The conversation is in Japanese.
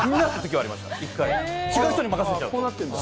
違う人に任せちゃうと。